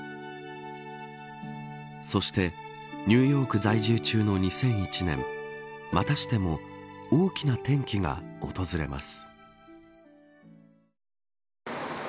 そして、ニューヨーク在住中の２００１年またしても大きな転機が訪れます。